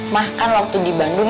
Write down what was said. mah kan waktu di bandung